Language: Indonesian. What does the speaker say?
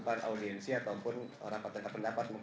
kemudian itu sampai berapa sih